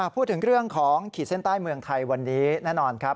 พูดถึงเรื่องของขีดเส้นใต้เมืองไทยวันนี้แน่นอนครับ